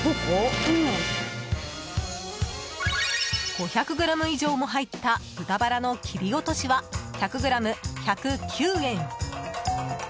５００ｇ以上も入った豚バラの切り落としは１００ｇ１０９円。